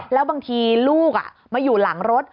แล้วบางทีลูกมาอยู่หลังรถ